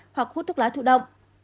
hoặc hút thuốc lá thụ động